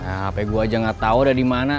nah apa gue aja gak tau udah dimana